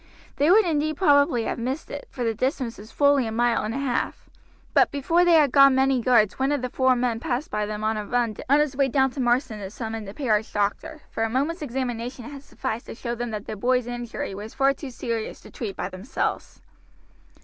They would indeed probably have missed it, for the distance was fully a mile and a half; but before they had gone many yards one of the four men passed by them on a run on his way down to Marsden to summon the parish doctor, for a moment's examination had sufficed to show them that the boy's injury was far too serious to treat by themselves.